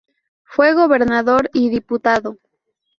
Fue gobernador y diputado.